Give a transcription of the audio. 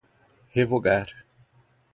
revogar